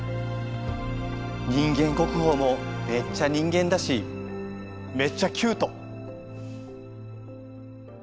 人間国宝もめっちゃ人間だしめっちゃキュート。